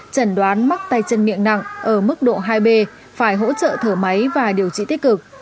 chẩn đoán mắc tay chân miệng nặng ở mức độ hai b phải hỗ trợ thở máy và điều trị tích cực